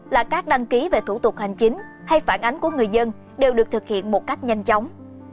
là các đăng ký về thủ tục hành chính hay phản ánh của người dân đều được thực hiện một cách nhanh chóng